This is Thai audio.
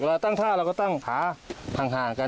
เราตั้งท่าเราก็ตั้งขาห่างกัน